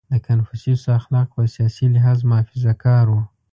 • د کنفوسیوس اخلاق په سیاسي لحاظ محافظهکار وو.